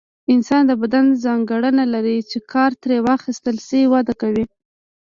انسان د بدن ځانګړنه لري چې کار ترې واخیستل شي وده کوي.